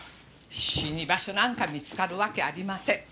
死に場所なんか見つかるわけありません。